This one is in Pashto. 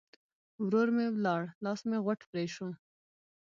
ورور م ولاړ؛ لاس مې غوټ پرې شو.